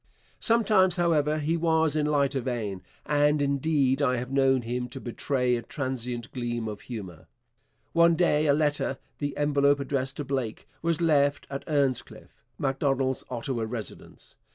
Sometimes, however, he was in lighter vein, and, indeed, I have known him to betray a transient gleam of humour. One day a letter, the envelope addressed to Blake, was left at 'Earnscliffe,' Macdonald's Ottawa residence.